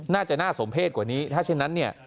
น่าจะน่าสมเพศกว่านี้ถ้าเช่นนั้นเนี่ย